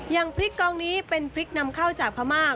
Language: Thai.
อย่างพริกกองนี้เป็นพริกนำเข้าจากพม่า